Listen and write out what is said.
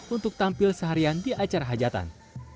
untuk tampil seharian di acara hajatan